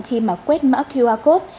khi mà quét mã qr code